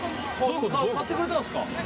買ってくれたんですか？